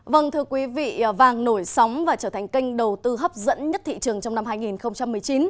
vâng thưa quý vị vàng nổi sóng và trở thành kênh đầu tư hấp dẫn nhất thị trường trong năm hai nghìn một mươi chín